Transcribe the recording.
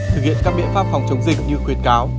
thực hiện các biện pháp phòng chống dịch như khuyến cáo